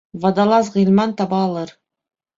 — Водолаз Ғилман таба алыр!